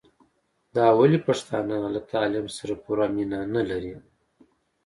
دا ولي پښتانه له تعليم سره پوره مينه نلري